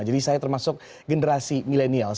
jadi saya termasuk generasi millennials